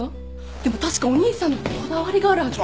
でも確かお兄さんのこだわりがあるはずで。